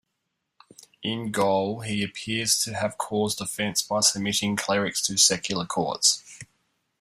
In Gaul, he appears to have caused offense by submitting clerics to secular courts.